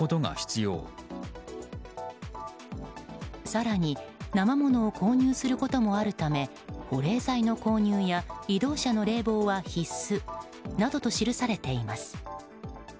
更に生ものを購入することもあるため保冷剤の購入や移動車の冷房は必須などと記されています。